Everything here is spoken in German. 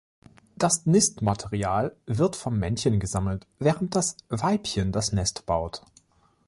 Das Nistmaterial wird vom Männchen gesammelt, während das Weibchen das Nest baut.